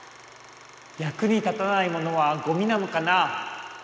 やくに立たないものはゴミなのかな？